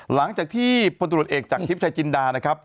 หลังจากที่พลตรวจเอกจากทิพย์ชายจินดานะครับ